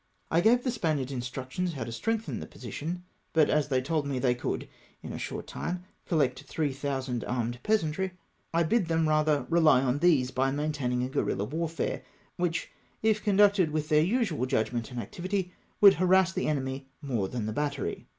I gave the Spaniards instructions how to strengthen the position, but as they tokL me they 268 GUERILLA TROOPS. could in a short time collect 3000 armed peasantry, I bid them rather rely on these by maintaining a guerilla warfare, which, if conducted with their usual judgment and activity, would harass the enemy more than the battery.